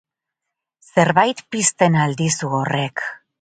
Zerbait pizten al dizu horrek?